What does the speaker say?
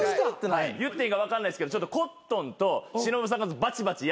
言っていいか分かんないですけどコットンと忍さんがバチバチやってて